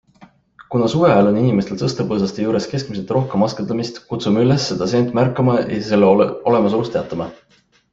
Kuna suveajal on inimestel sõstrapõõsaste juures keskmisest rohkem askeldamist, kutsume üles seda seent märkama ja selle olemasolust teatama.